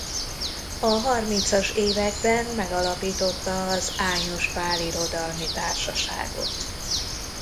A harmincas években megalapította az Ányos Pál Irodalmi Társaságot.